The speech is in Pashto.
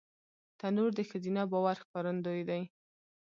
تنور د ښځینه باور ښکارندوی دی